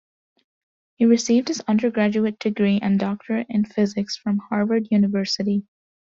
He received his undergraduate degree and doctorate in physics from Harvard University.